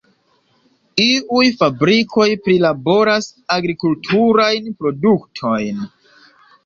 Iuj fabrikoj prilaboras agrikulturajn produktojn.